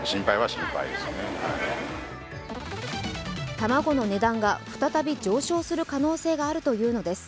卵の値段が再び上昇する可能性があるというのです。